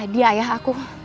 dia ayah aku